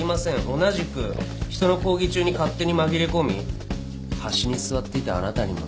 同じく人の講義中に勝手に紛れ込み端に座っていたあなたにもね。